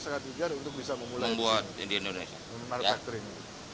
sangat eager untuk bisa membuat manufacturing